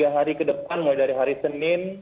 tiga hari ke depan mulai dari hari senin